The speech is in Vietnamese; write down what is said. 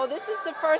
tôi đến đây vì